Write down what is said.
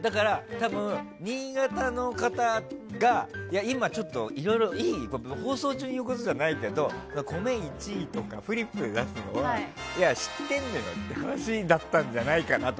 だから、多分、新潟の方が今、ちょっと放送中に言うことじゃないけど米１位とかフリップに出すのは知ってるのよって話だったんじゃないかな。